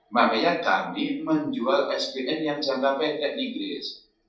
makanya kami menjual sdm yang jangka pendek inggris